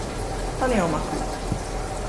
たねをまく